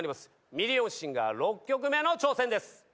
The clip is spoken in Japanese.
『ミリオンシンガー』６曲目の挑戦です。